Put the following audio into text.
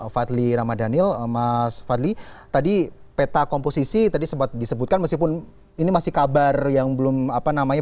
fadli ramadhanil mas fadli tadi peta komposisi tadi sempat disebutkan meskipun ini masih kabar yang belum apa namanya